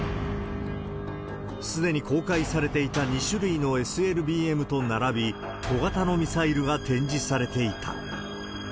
すでに公開されていた２種類のＳＬＢＭと並び、小型のミサイルが展示されていた。